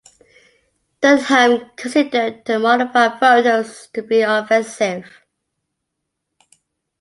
Dunham considered the modified photos to be offensive.